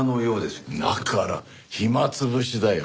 だから暇潰しだよ。